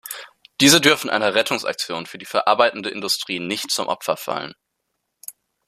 Diese dürfen einer Rettungsaktion für die verarbeitende Industrie nicht zum Opfer fallen.